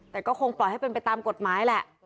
แต่ก็คงปล่อยให้เป็นไปตามกฎหมายแหละ